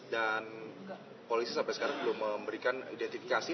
dan polisi sampai sekarang belum memberikan identifikasi